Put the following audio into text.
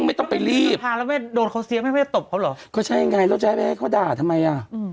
ไม่ต้องรีบตัดสินใจเพราะอะไรรู้ไหม